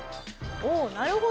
おおなるほど。